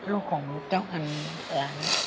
ลูกของเจ้าอัน